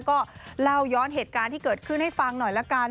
ก็เล่าย้อนเหตุการณ์ที่เกิดขึ้นให้ฟังหน่อยละกัน